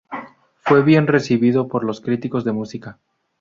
Fue bien recibido por los críticos de música.